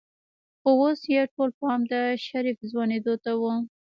خو اوس يې ټول پام د شريف ځوانېدو ته و.